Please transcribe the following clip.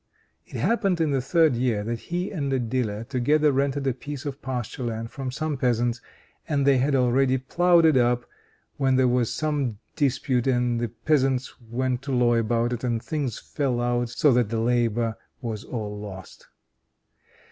It happened in the third year that he and a dealer together rented a piece of pasture land from some peasants; and they had already ploughed it up, when there was some dispute, and the peasants went to law about it, and things fell out so that the labor was all lost.